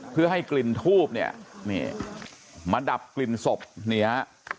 เพื่อให้กลิ่นทูบเนี่ยนี่มาดับกลิ่นศพนี่ฮะ